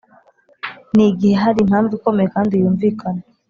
ni gihe hari impamvu ikomeye kandi y’umvikana